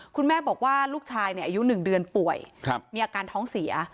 คุณแม่บอกว่าลูกชายอายุ๑เดือนป่วยมีอาการท้องเสีย